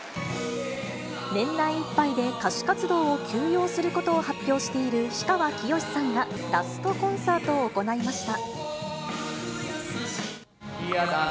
年内いっぱいで歌手活動を休養することを発表している氷川きよしさんがラストコンサートを行いました。